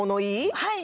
はい。